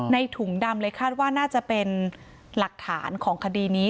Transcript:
ถุงดำเลยคาดว่าน่าจะเป็นหลักฐานของคดีนี้